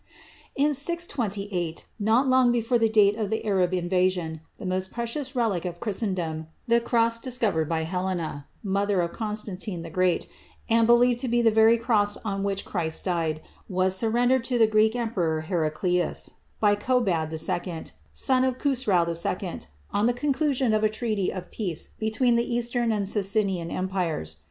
In 628, not long before the date of the Arab invasion, the most precious relic of Christendom, the cross discovered by Helena, mother of Constantine the Great, and believed to be the very cross on which Christ died, was surrendered to the Greek Emperor Heraclius by Kobad II, son of Khusrau II, on the conclusion of a treaty of peace between the Eastern and Sassanian Empires.